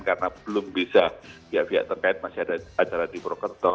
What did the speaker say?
karena belum bisa via via terkait masih ada acara di prokerto